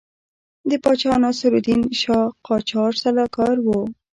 د پاچا ناصرالدین شاه قاجار سلاکار وو.